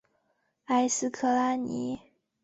埃斯克拉尼。